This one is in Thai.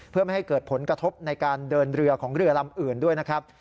เพื่อไม่ให้เกิดผลกระทบในการเดินเรือของเรือลำอื่นด้วยนะครับ